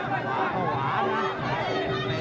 ขวาก็ขวานะ